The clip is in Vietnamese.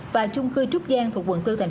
và chung cư trúc giang thuộc quận bốn tp hcm